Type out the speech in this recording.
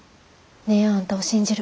姉やんあんたを信じる。